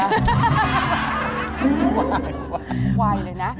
ไงครับ